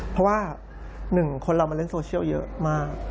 เพราะว่าหนึ่งคนเรามาเล่นโซเชียลเยอะมาก